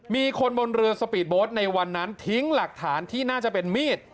มีคนบนเรือสปีดโบสต์ในวันนั้นทิ้งหลักฐานที่น่าจะเป็นมีด